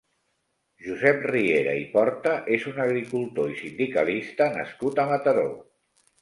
Josep Riera i Porta és un agricultor i sindicalista nascut a Mataró.